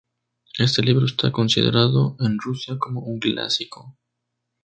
Este libro está considerado en Rusia como un clásico.